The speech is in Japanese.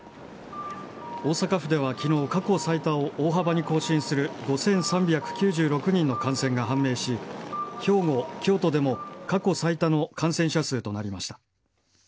大阪府ではきのう、過去最多を大幅に更新する５３９６人の感染が判明し兵庫、京都でも過去最多の感染者数となりました。